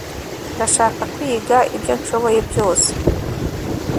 ndashaka kwiga ibyo nshoboye byose